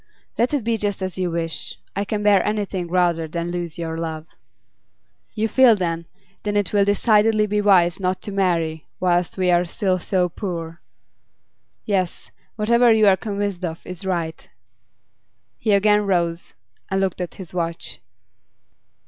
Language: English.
'Let it be just as you wish. I can bear anything rather than lose your love.' 'You feel, then, that it will decidedly be wise not to marry whilst we are still so poor?' 'Yes; whatever you are convinced of is right.' He again rose, and looked at his watch.